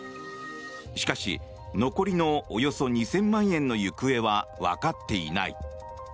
しかし、残りのおよそ２０００万円の行方はわかっていない。